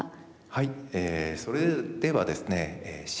はい。